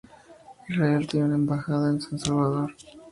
Israel tiene una embajada en San Salvador.